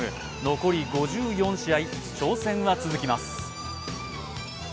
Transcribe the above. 残り５４試合、挑戦は続きます。